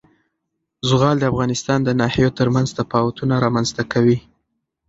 زغال د افغانستان د ناحیو ترمنځ تفاوتونه رامنځ ته کوي.